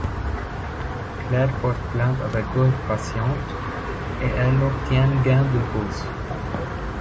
Claire porte plainte avec d'autres patientes et elles obtiennent gain de cause.